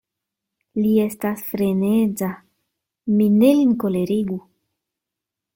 Li estas freneza; mi ne lin kolerigu.